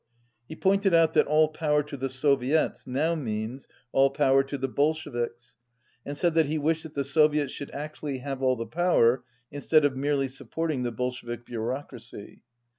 He pointed out that "All power to the Soviets" now means "All power to the Bolsheviks," and said that he wished that the Soviets should actually have all power instead of merely supporting the Bolshevik bureaucracy.